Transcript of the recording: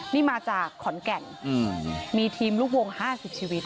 นี่มาจากขอนแก่งอืมมีทีมลูกวงห้าสิบชีวิต